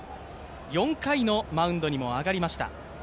４回のマウンドにも上がりました。